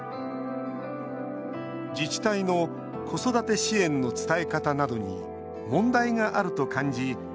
自治体の子育て支援の伝え方などに問題があると感じ